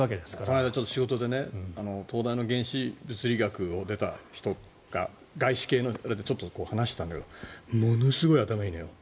この間、仕事で東大の原子物理学を出た人が外資系のあれでちょっと話したんだけどものすごい頭がいいのよ。